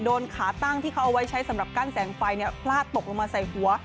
โดนขาตั้งที่เขาเอาไว้ใช้สำหรับกั้นแสงไฟพลาดตกลงมาใส่หัว